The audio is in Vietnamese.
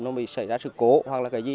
nó mới xảy ra sự cố hoặc là cái gì